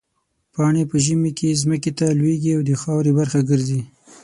پاڼې په ژمي کې ځمکې ته لوېږي او د خاورې برخه ګرځي.